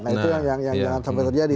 nah itu yang jangan sampai terjadi